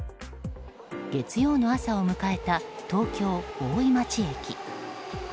月曜の朝を迎えた東京・大井町駅。